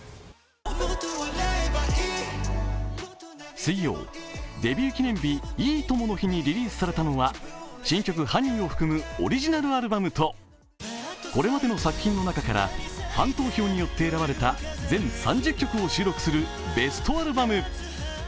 水曜、デビュー記念日「いい友の日」にリリースされたのは新曲「Ｈｏｎｅｙ」を含むオリジナルアルバムとこれまでの作品の中からファン投票によって選ばれた全３０曲を収録するベストアルバム。